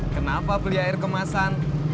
kenapa beli air kemasan